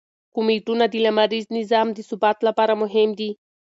کومیټونه د لمریز نظام د ثبات لپاره مهم دي.